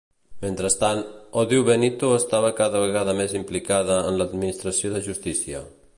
Mentrestant, Odio Benito estava cada vegada més implicada en l'administració de justícia.